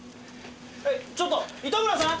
えっちょっと糸村さん！？